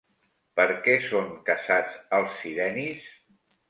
Per què són caçats els sirenis?